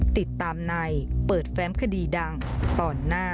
ติดตามในเปิดแฟ้มคดีดังตอนหน้า